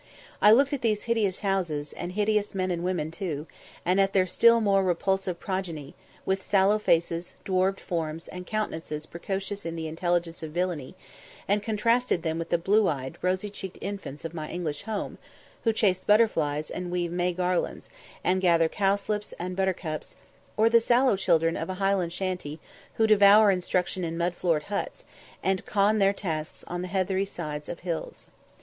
I looked at these hideous houses, and hideous men and women too, and at their still more repulsive progeny, with sallow faces, dwarfed forms, and countenances precocious in the intelligence of villany; and contrasted them with the blue eyed, rosy cheeked infants of my English home, who chase butterflies and weave May garlands, and gather cowslips and buttercups; or the sallow children of a Highland shantie, who devour instruction in mud floored huts, and con their tasks on the heathery sides of hills.